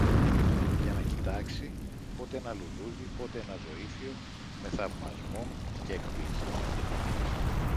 για να κοιτάξει πότε ένα λουλούδι, πότε ένα ζωύφιο, με θαυμασμό κι έκπληξη